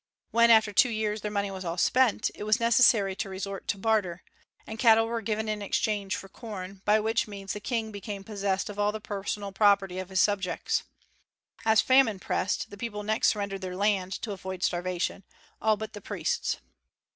When after two years their money was all spent, it was necessary to resort to barter, and cattle were given in exchange for corn, by which means the King became possessed of all the personal property of his subjects. As famine pressed, the people next surrendered their land to avoid starvation, all but the priests.